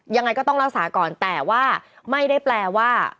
ยังไงก็ต้องรักษาก่อนแต่ว่าไม่ได้แปลว่า